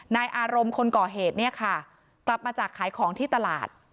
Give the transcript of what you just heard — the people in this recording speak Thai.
นายอารมณ์คนก่อเหตุเนี่ยค่ะกลับมาจากขายของที่ตลาด